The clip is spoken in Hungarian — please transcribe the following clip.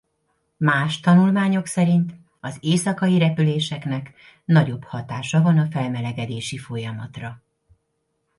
Más tanulmányok szerint az éjszakai repüléseknek nagyobb hatása van a felmelegedési folyamatra.